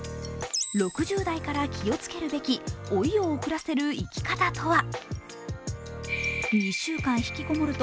６０代から気をつけるべき老いを遅らせる生き方とは。